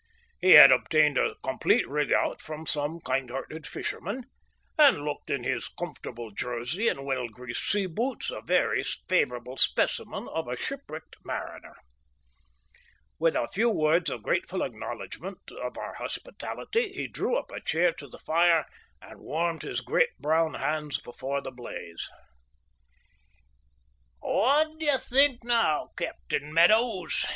He had obtained a complete rig out from some kind hearted fisherman, and looked in his comfortable jersey and well greased seaboots a very favourable specimen of a shipwrecked mariner. With a few words of grateful acknowledgment of our hospitality, he drew a chair up to the fire and warmed his great, brown hands before the blaze. "What d'ye think now, Captain Meadows?"